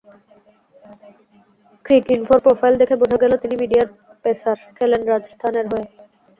ক্রিকইনফোর profile দেখে বোঝা গেল, তিনি মিডিয়াম পেসার, খেলেন রাজস্থানের হয়ে।